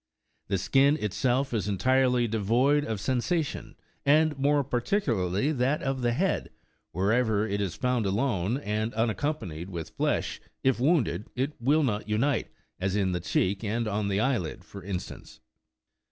The skin itself is entirely devoid of sen sation, and more particularly that of the head ; wherever it is found alone, and unaccompanied with flesh, if wounded, it will not unite, as in the cheek and on the eyelid, ls for instance.